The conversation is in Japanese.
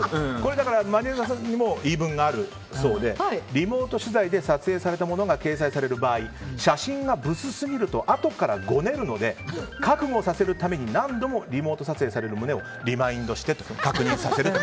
マネジャーさんにも言い分があるそうでリモート取材で撮影されたものが掲載される場合は写真がブスすぎるとあとからごねるので覚悟させるために何度もリモート撮影される旨をリマインドして確認させると。